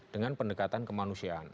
dengan pendekatan kemanusiaan